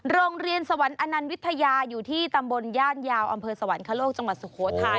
โรงเรียนสวรรค์อนันต์วิทยาอยู่ที่ตำบลย่านยาวอำเภอสวรรคโลกจังหวัดสุโขทัย